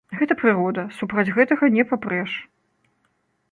Гэта прырода, супраць гэтага не папрэш.